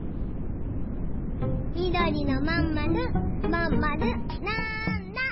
みどりのまんまるまんまるなんだ？